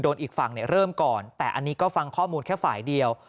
อีกฝั่งเริ่มก่อนแต่อันนี้ก็ฟังข้อมูลแค่ฝ่ายเดียว